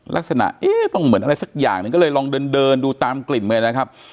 ลักษณะเอ๊ะต้องเหมือนอะไรสักอย่างหนึ่งก็เลยลองเดินดูตามกลิ่นเลยนะครับ